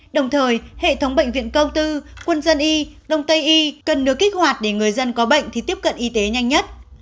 đồng thời hệ thống bệnh viện công tư quân dân y đông tây y cần được kích hoạt để người dân có bệnh thì tiếp cận y tế nhanh nhất